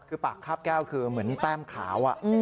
คือปากคาบแก้วคือเหมือนแต้มขาว